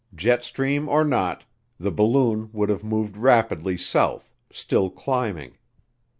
Jet stream or not, the balloon would have moved rapidly south, still climbing.